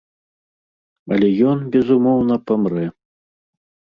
Алё ён безумоўна памрэ.